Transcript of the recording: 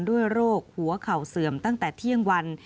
ด้วยโรคหัวเข่าเสื่อมตั้งแต่เที่ยงวัน